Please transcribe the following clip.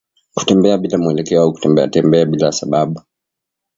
Kutembea bila mwelekeo au kutembeatembea bila sababu